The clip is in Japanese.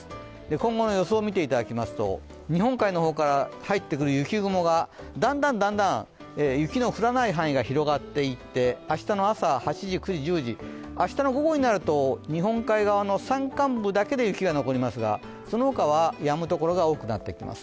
今後の予想を見ていただきますと日本海の方から入ってくる雪雲がだんだん雪の降らない範囲が広がっていって、明日の朝８時、９時、１０時、明日の午後になると日本海側の山間部だけで雪が残りますがその他はやむところが多くなってきます。